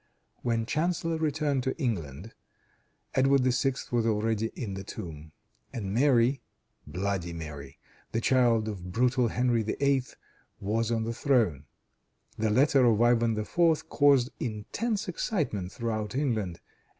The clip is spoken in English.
When Chanceller returned to England, Edward VI. was already in the tomb, and Mary, Bloody Mary, the child of brutal Henry VIII., was on the throne. The letter of Ivan IV. caused intense excitement throughout England.